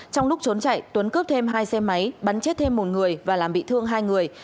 trong lúc trốn chạy tuấn cướp thêm hai xe máy bắn chết thêm một người và làm bị thương hai người